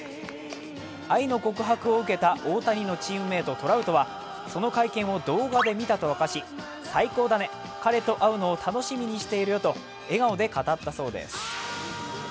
愛の告白を受けた大谷のチームメイト・トラウトはその会見を動画で見たと明かし、最高だね、彼と会うのを楽しみにしているよと笑顔で語ったそうです。